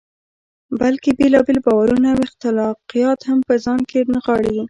بلکې بېلابېل باورونه او اخلاقیات هم په ځان کې نغاړي.